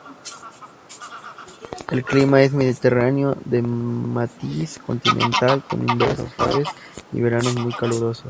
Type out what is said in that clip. El clima es mediterráneo de matiz continental, con inviernos suaves y veranos muy calurosos.